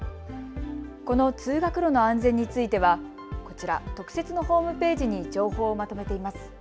この通学路の安全についてはこちら、特設のホームページに情報をまとめています。